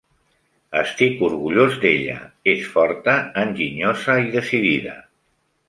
"Estic orgullós d'ella; és forta, enginyosa i decidida".